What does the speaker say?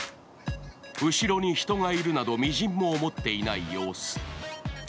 後ろに人がいるなど、みじんも思っていない様子。